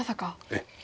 ええ。